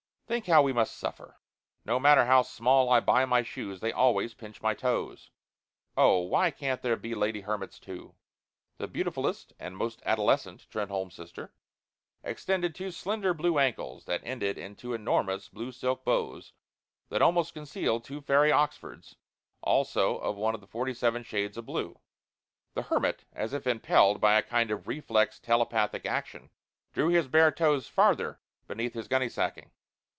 Think how we must suffer no matter how small I buy my shoes they always pinch my toes. Oh, why can't there be lady hermits, too!" The beautifulest and most adolescent Trenholme sister extended two slender blue ankles that ended in two enormous blue silk bows that almost concealed two fairy Oxfords, also of one of the forty seven shades of blue. The hermit, as if impelled by a kind of reflex telepathic action, drew his bare toes farther beneath his gunny sacking.